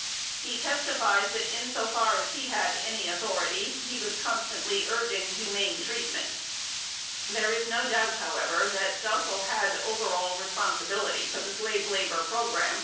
He testifies that insofar as he had any authority he was constantly urging humane treatment. There is no doubt, however, that Sauckel had over all responsibility for the slave labor program.